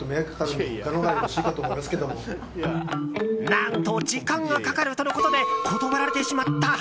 何と、時間がかかるとのことで断られてしまった。